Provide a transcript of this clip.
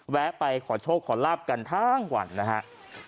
แวะไปขอโชคขอลาบกันทั้งวันนะครับ